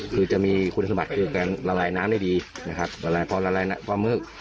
คือจะมีคุณสมบัติคือการละลายน้ำได้ดีนะครับละลายความละลายความมืด